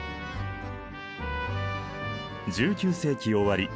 １９世紀終わり